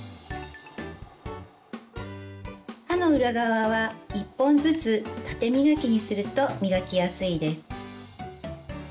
歯の裏側は１本ずつ縦磨きにすると磨きやすいです。